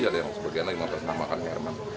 ada yang sebagian lagi mengatakan nama kankerman